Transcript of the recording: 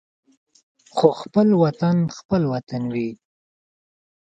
خو خپل وطن خپل وطن وي.